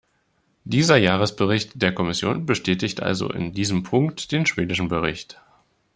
Dieser Jahresbericht der Kommission bestätigt also in diesem Punkt den schwedischen Bericht.